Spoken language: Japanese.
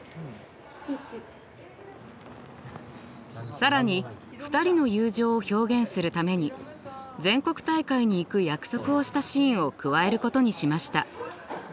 更に２人の友情を表現するために全国大会に行く約束をしたシーンを加えることにしました。